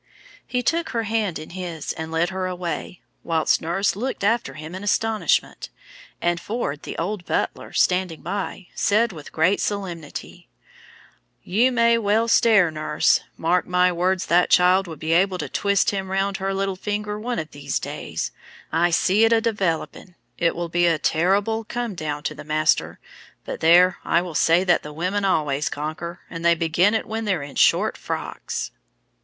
He took her hand in his, and led her away, while nurse looked after him in astonishment, and Ford, the old butler, standing by, said with great solemnity, "You may well stare, nurse. Mark my words, that child will be able to twist him round with her little finger one of these days. I see it a developin'. It will be a terrible come down to the master but there, I will say that the women always conquer, and they begin it when they're in short frocks."